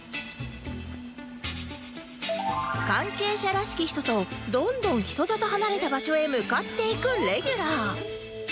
関係者らしき人とどんどん人里離れた場所へ向かっていくレギュラー